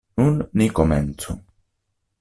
Nun ni komencu.